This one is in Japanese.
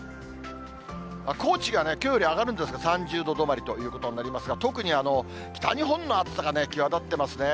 高知がきょうより上がるんですが、３０度止まりということになりますが、特に北日本の暑さが際立っていますね。